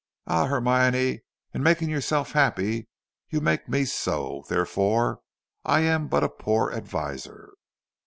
"Ah, Hermione, in making yourself happy, you make me so; therefore I am but a poor adviser."